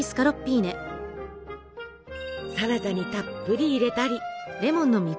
サラダにたっぷり入れたり。